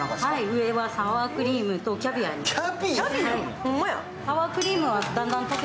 上は、サワークリームとキャビアです。